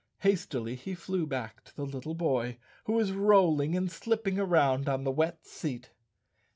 Hastily he flew back to the little boy, who was rolling and slipping around on the wet seat.